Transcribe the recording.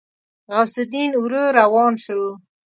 غوث الدين ورو روان شو.